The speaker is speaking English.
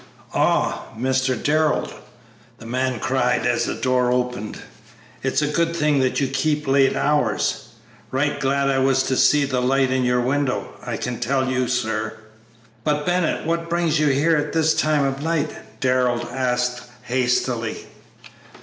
"Ah, Mr. Darrell," the man cried, as the door opened, "it's a good thing that you keep late hours; right glad I was to see the light in your window, I can tell you, sir!" "But, Bennett, what brings you here at this time of night?" Darrell asked, hastily.